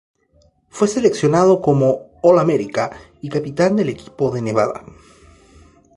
Fue seleccionado como All-America, y fue capitán del equipo de Nevada.